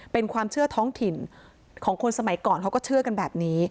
เป็นความเชื่อท้องถิ่นของคนสมัยก่อนเขาก็เชื่อกันแบบนี้